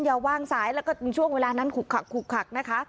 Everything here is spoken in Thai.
อย่าวางสายแล้วก็ช่วงเวลานั้นขุกขักนะคะ